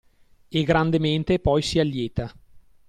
E grandemente poi si allieta